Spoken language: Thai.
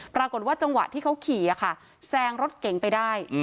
ปรากฏว่าจังหวะที่เขาขี่แซงรถเก๋งไปได้